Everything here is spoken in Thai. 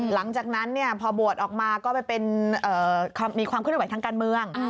หลังจากนั้นพอบวชออกมาก็ไปมีความเคลื่อนไหวทางการเมือง